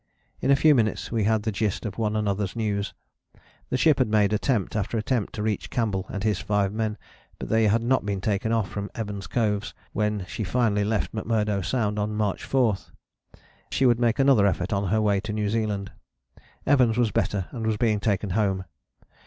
In a few minutes we had the gist of one another's news. The ship had made attempt after attempt to reach Campbell and his five men, but they had not been taken off from Evans Coves when she finally left McMurdo Sound on March 4: she would make another effort on her way to New Zealand. Evans was better and was being taken home.